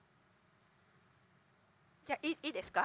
じゃいいですか？